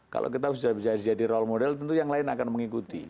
kalau kita sudah bisa jadi role model tentu yang lain akan mengikuti